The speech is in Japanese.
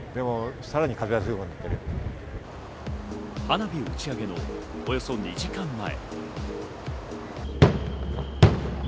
花火打ち上げのおよそ２時間前。